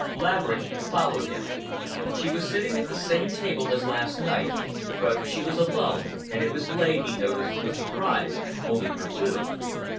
Laverick followed him. She was sitting at the same table as last night, but she was alone, and it was laid, he noticed with surprise, only for two.